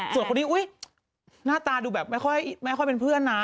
ส่วนคนนี้อุ๊ยหน้าตาดูแบบไม่ค่อยเป็นเพื่อนนะ